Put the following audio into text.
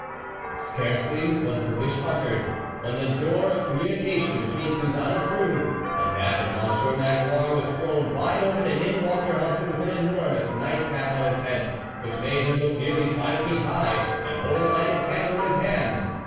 Scarcely was the wish uttered, when the door of communication between Suzanne's room and that of Monsieur Magloire was thrown wide open, and in walked her husband with an enormous night cap on his head, which made him look nearly five feet high, and holding a lighted candle in his hand.